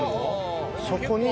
そこに。